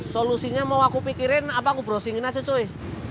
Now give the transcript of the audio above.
solusinya mau aku pikirin apa aku browsingin aja coy